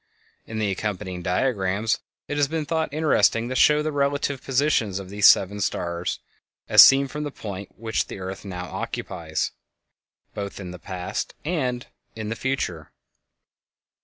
In the accompanying diagrams it has been thought interesting to show the relative positions of these seven stars, as seen from the point which the earth now occupies, both in the past and in the future.